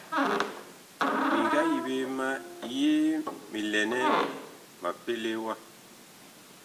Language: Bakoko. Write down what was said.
Mi nga yi ɓe ma yee mi lɛ nɛ ma pelee wa.